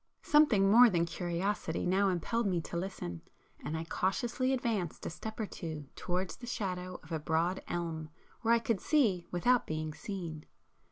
Something more than curiosity now impelled me to listen, and I cautiously advanced a step or two towards the shadow of a broad elm where I could see without being seen.